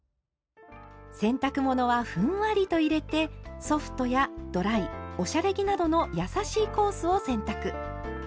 洗濯物はふんわりと入れて「ソフト」や「ドライ」「おしゃれ着」などのやさしいコースを選択。